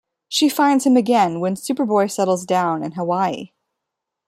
She finds him again when Superboy settles down in Hawaii.